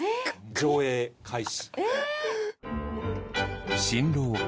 上映開始。